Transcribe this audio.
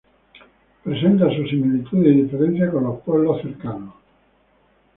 Presenta sus similitudes y diferencias con los pueblos cercanos.